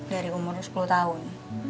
dari umur sepuluh tahun